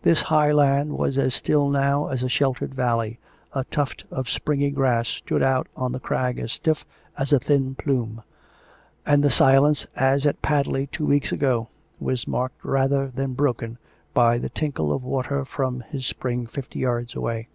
This high land was as still now as a sheltered valley, a tuft of springy grass stood out on the crag as stiff as a thin plume ; and the silence, as at Padley two weeks ago, was marked rather than broken by the tinkle of water from his spring fifty yards away.